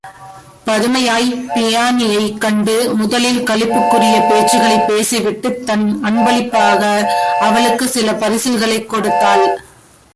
பதுமை யாப்பியாயினியைக் கண்டு முதலில் களிப்புக்குரிய பேச்சுக்களைப் பேசி விட்டுத் தன் அன்பளிப்பாக அவளுக்குச் சில பரிசில்களைக் கொடுத்தாள்.